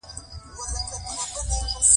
هلته د برېټانوي مجرمینو لېږدېدل بند شول.